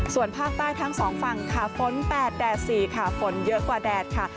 ส่วนภาคใต้ทั้งสองฝั่งค่ะฝน๘แดด๔ค่ะฝนเยอะกว่าแดดค่ะ